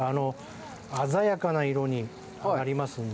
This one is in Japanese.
鮮やかな色になりますので。